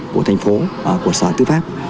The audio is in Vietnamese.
của thành phố của sở tư pháp